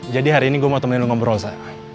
jadi hari ini gue mau temenin lo ngobrol sa